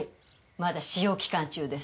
まだ試用期間中です。